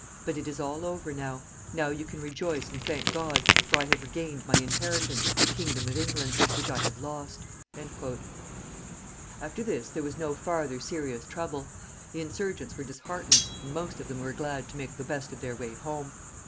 But it is all over now. Now you can rejoice and thank God, for I have regained my inheritance, the kingdom of England, which I had lost." After this there was no farther serious trouble. The insurgents were disheartened, and most of them were glad to make the best of their way home.